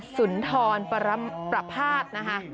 สุนทรประพาท